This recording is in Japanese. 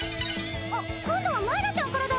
あっ今度はまいらちゃんからだ。